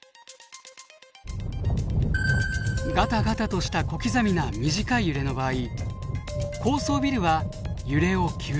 ガタガタとした小刻みな短い揺れの場合高層ビルは揺れを吸収。